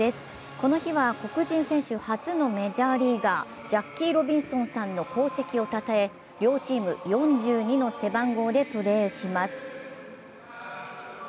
この日は黒人選手初のメジャーリーガージャッキー・ロビンソンさんの功績をたたえ両チーム「４２」の背番号でプレーします。